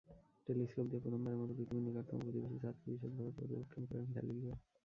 Telescope দিয়ে প্রথমবারের মতো পৃথিবীর নিকটতম প্রতিবেশী চাঁদকে বিশদভাবে পর্যবেক্ষণ করেন গ্যালিলিও।